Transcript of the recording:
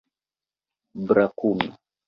brakumi